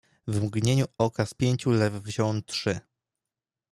"W mgnieniu oka z pięciu lew wziąłem trzy."